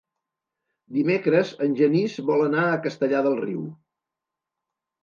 Dimecres en Genís vol anar a Castellar del Riu.